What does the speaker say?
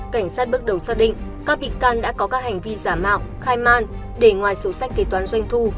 cảnh sát bước đầu xác định các bị can đã có các hành vi giả mạo khai man để ngoài sổ sách kế toán doanh thu